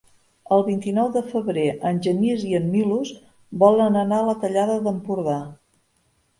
El vint-i-nou de febrer en Genís i en Milos volen anar a la Tallada d'Empordà.